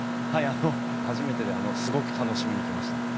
あの初めてですごく楽しみに来ました。